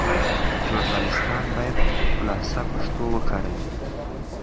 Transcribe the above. ژورنالیستان باید خالصه پښتو وکاروي.